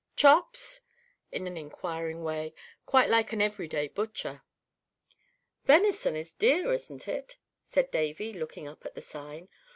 Chops?" in an inquiring way, quite like an every day butcher. "Venison is deer, isn't it?" said Davy, looking up at the sign.